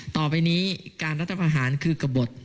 ต่อไปนี้การรัฐประหารคือกระบด